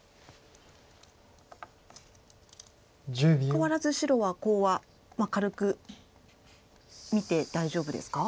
変わらず白はコウは軽く見て大丈夫ですか？